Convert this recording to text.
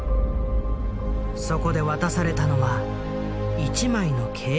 そこで渡されたのは１枚の契約書。